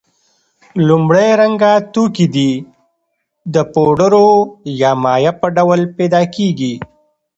لومړی رنګه توکي دي چې د پوډرو یا مایع په ډول پیدا کیږي.